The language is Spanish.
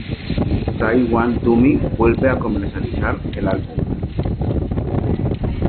Side One Dummy vuelve a comercializar el álbum.